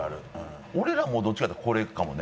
俺らもどっちか言うたらこれかもね。